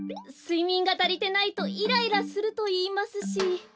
すいみんがたりてないとイライラするといいますし。